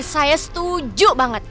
saya setuju banget